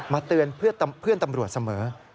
เตือนเพื่อนตำรวจเสมอ